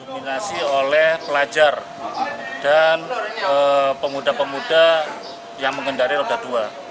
pelajar dan pemuda pemuda yang mengendari roda dua